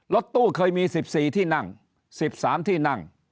รถตู้เคยมี๑๔ที่นั่ง๑๓ที่นั่ง